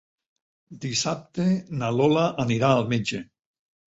Dissabte na Lola anirà al metge.